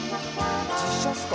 実写っすか？